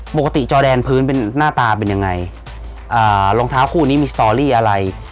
ปกติจอแดนพื้นหน้าตาเป็นยังไงรองเท้าคู่นี้มีสตอรี่อะไร